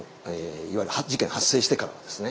いわゆる事件発生してからですね。